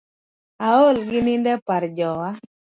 Aol gi nindo e par jowa.